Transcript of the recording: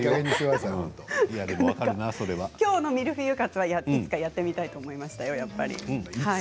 きょうのミルフィーユカツは、いつかやってみたいと思いましたよ。